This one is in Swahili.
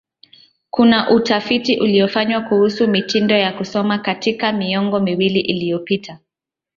Kuna utafiti uliofanywa kuhusu mitindo ya kusoma katika miongo miwili iliyopita.